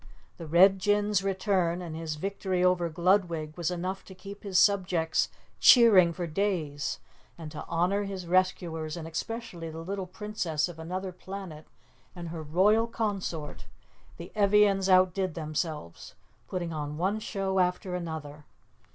The Red Jinn's return and his victory over Gludwig was enough to keep his subjects cheering for days and to honor his rescuers and especially the little Princess of Anuther Planet and her royal consort, the Evians outdid themselves, putting on one show after another.